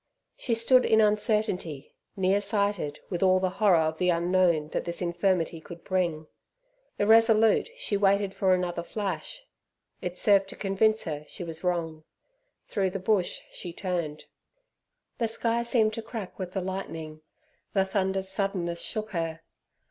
She stood in uncertainty, near sighted, with all the horror of the unknown that this infirmity could bring. Irresolute, she waited for another flash. It served to convince her she was wrong. Through the bush she turned. The sky seemed to crack with the lightning; the thunder's suddenness shook her.